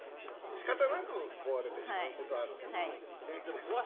仕方なく壊れてしまうことはあるけども。